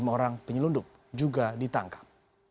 lima orang penyelundup juga ditangkap